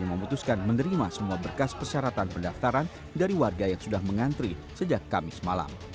memutuskan menerima semua berkas persyaratan pendaftaran dari warga yang sudah mengantri sejak kamis malam